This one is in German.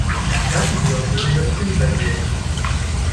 Lassen Sie uns über Ihre Kindheit reden.